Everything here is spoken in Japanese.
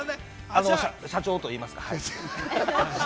社長と言いますか。